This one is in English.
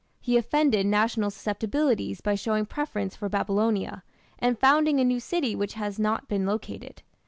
He offended national susceptibilities by showing preference for Babylonia, and founding a new city which has not been located.